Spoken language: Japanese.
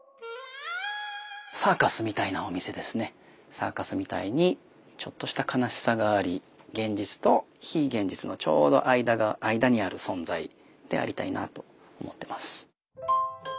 サーカスみたいにちょっとした悲しさがあり現実と非現実のちょうど間にある存在でありたいなと思ってます。